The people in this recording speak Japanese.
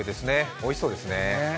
おいしそうですね。